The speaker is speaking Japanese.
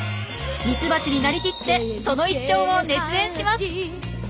ミツバチになりきってその一生を熱演します。